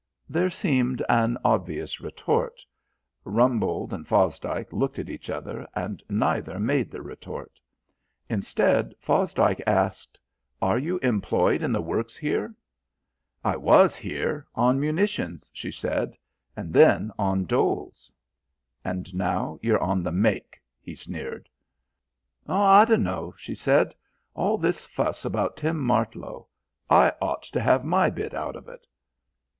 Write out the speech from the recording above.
There seemed an obvious retort. Rumbold and Fosdike looked at each other, and neither made the retort. Instead, Fosdike asked: "Are you employed in the works here?" "I was here, on munitions," she said, "and then on doles." "And now you're on the make," he sneered. "Oh, I dunno," she said. "All this fuss about Tim Martlow. I ought to have my bit out of it."